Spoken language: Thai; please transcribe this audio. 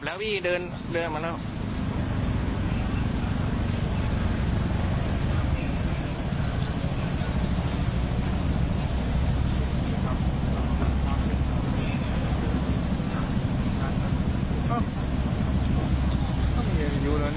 ไม่เกี่ยวไฟไม่เกี่ยวไฟไม่เกี่ยวไฟ